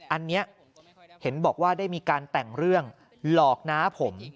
อันนี้เห็นบอกว่าได้มีการแต่งเรื่องหลอกน้าผม